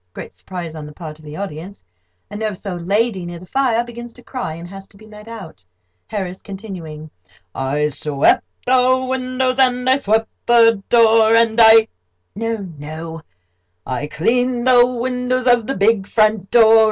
Great surprise on the part of the audience. Nervous old lady near the fire begins to cry, and has to be led out.] HARRIS (continuing): "'I swept the windows and I swept the door, And I—' No—no, I cleaned the windows of the big front door.